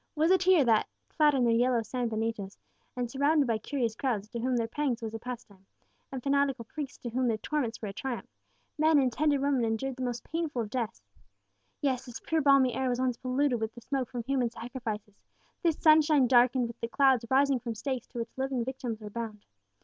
"Was it here that clad in their yellow san benitos, and surrounded by curious crowds to whom their pangs were a pastime, and fanatical priests to whom their torments were a triumph men and tender women endured the most painful of deaths! Yes; this pure balmy air was once polluted with the smoke from human sacrifices this sunshine darkened with the clouds rising from stakes to which living victims were bound!